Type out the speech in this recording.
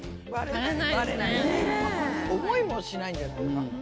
思いもしないんじゃないですか？